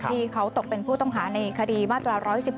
ที่เขาตกเป็นผู้ต้องหาในคดีมาตรา๑๑๒